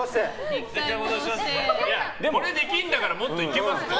これできるんだからもっといけますよ。